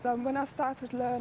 dan ketika saya mulai belajar